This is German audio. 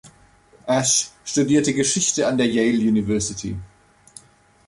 Ashe studierte Geschichte an der Yale University.